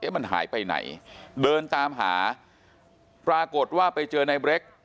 มันหายไปไหนเดินตามหาปรากฏว่าไปเจอในเบรก